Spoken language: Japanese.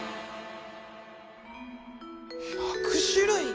１００種類。